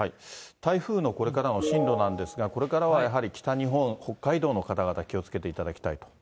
台風のこれからの進路なんですが、これからはやはり北日本、北海道の方々、気をつけていただきたいと。